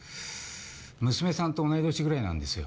娘さんと同い年ぐらいなんですよ。